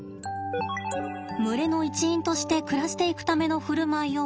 群れの一員として暮らしていくための振る舞いを学ぶ